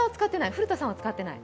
古田さんは使ってない？